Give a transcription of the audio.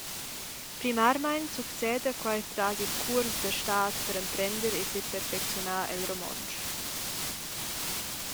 Primarmein succeda quei tras ils cuors da stad per emprender e seperfecziunar el romontsch.